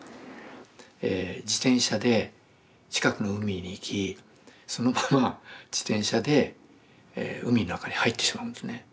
え自転車で近くの海に行きそのまま自転車で海の中に入ってしまうんですね。